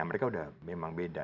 mereka sudah memang beda